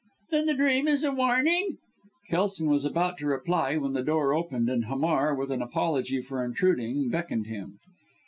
"Then the dream is a warning?" Kelson was about to reply, when the door opened, and Hamar, with an apology for intruding, beckoned to him.